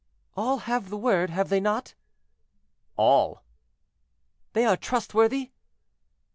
"All have the word, have they not?" "All."—"They are trustworthy?"